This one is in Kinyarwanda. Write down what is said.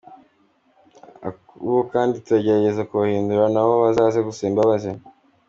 Abo kandi tuzagerageza kubahindura nabo bazaze gusaba imbabazi.